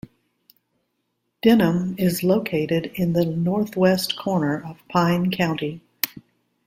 Denham is located in the northwest corner of Pine County.